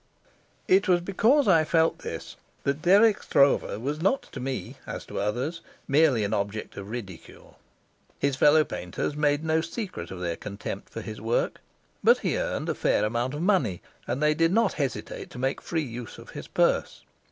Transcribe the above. It was because I felt this that Dirk Stroeve was not to me, as to others, merely an object of ridicule. His fellow painters made no secret of their contempt for his work, but he earned a fair amount of money, and they did not hesitate to make free use of his purse.